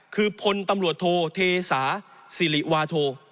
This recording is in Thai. คือพลตำรวจโทเทสาสิริวาโท